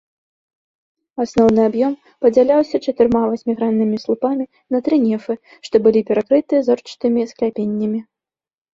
Асноўны аб'ём падзяляўся чатырма васьміграннымі слупамі на тры нефы, што былі перакрыты зорчатымі скляпеннямі.